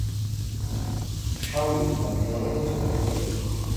ფშავლების ნაბინავრად წოდებულ ადგილზე.